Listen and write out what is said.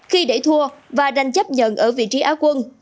khi để thua và đành chấp nhận ở vị trí áo quân